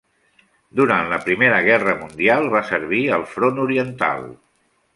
Durant la Primera Guerra Mundial va servir al Front Oriental.